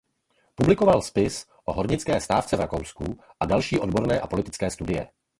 Publikoval spis o hornické stávce v Rakousku a další odborné a politické studie.